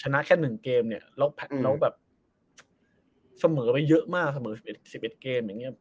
ชนะแค่หนึ่งเกมเนี่ยแล้วแบบเสมอไปเยอะมากเสมอสิบเอ็ดเกมอย่างเงี้ย